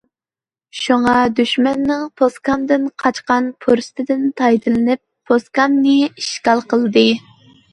شۇڭا، دۈشمەننىڭ پوسكامدىن قاچقان پۇرسىتىدىن پايدىلىنىپ پوسكامنى ئىشغال قىلمىدى.